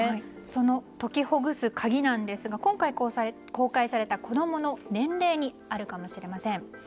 その解きほぐす鍵ですが今回公開された子供の年齢にあるかもしれません。